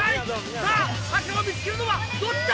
さぁ赤を見つけるのはどっちだ？